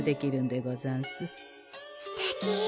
すてき。